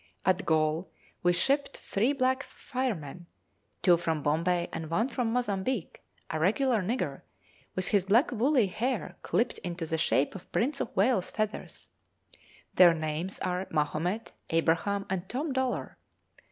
At Galle we shipped three black firemen, two from Bombay and one from Mozambique, a regular nigger, with his black woolly hair clipped into the shape of Prince of Wales feathers. Their names are Mahomet, Abraham, and Tom Dollar.